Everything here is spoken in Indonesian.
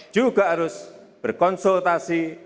juga harus berkonsultasi